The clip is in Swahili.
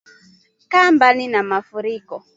Kaa mbali na Mafuriko